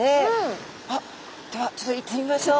あではちょっと行ってみましょう。